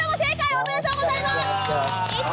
おめでとうございます！